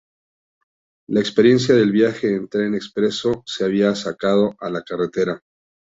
La experiencia del viaje en tren expreso se había sacado a la carretera.